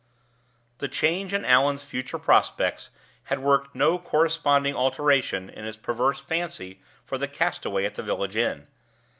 The change in Allan's future prospects had worked no corresponding alteration in his perverse fancy for the castaway at the village inn.